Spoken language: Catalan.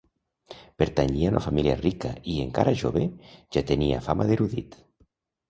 Pertanyia a una família rica i, encara jove, ja era tenia fama d'erudit.